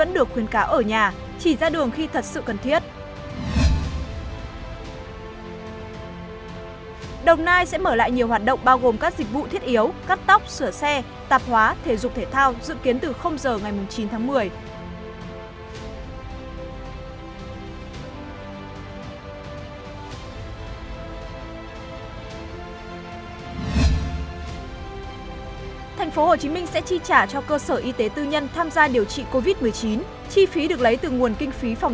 đồng nai sẽ mở lại nhiều hoạt động bao gồm các dịch vụ thiết yếu cắt tóc sửa xe tạp hóa thể dục thể thao dự kiến từ giờ ngày chín tháng một mươi